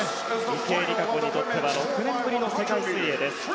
池江璃花子にとっては６年ぶりの世界水泳です。